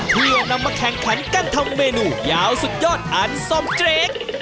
เพื่อนำมาแข่งขันกันทำเมนูยาวสุดยอดทานซอมเจรค